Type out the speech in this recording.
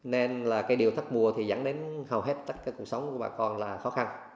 nên là cái điều thắt mùa thì dẫn đến hầu hết các cuộc sống của bà con là khó khăn